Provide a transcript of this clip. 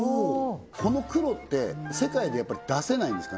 この黒って世界でやっぱり出せないんですか？